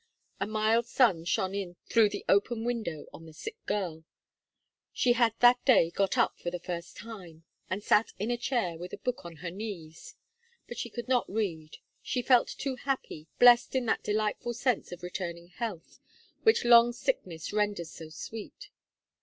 A mild sun shone in through the open window on the sick girl; she had that day got up, for the first time, and sat in a chair with a book on her knees. But she could not read: she felt too happy, blest in that delightful sense of returning health which long sickness renders so sweet.